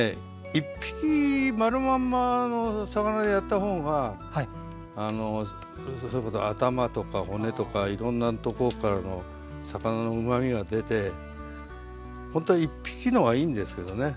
一匹丸まんまの魚でやった方があのそれこそ頭とか骨とかいろんなとこからの魚のうまみが出てほんとは一匹の方がいいんですけどね。